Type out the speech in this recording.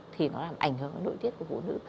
thì nó làm ảnh hưởng đến nội tiết của phụ nữ